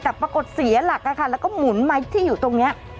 แต่ปรากฏเสียหลักแล้วก็หมุนมาที่อยู่ตรงนี้